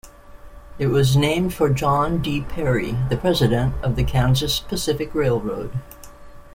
It was named for John D. Perry, the President of the Kansas Pacific Railroad.